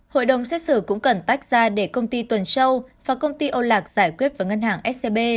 hội đồng xét xử cũng cần tách ra để công ty tuần châu và công ty âu lạc giải quyết vào ngân hàng scb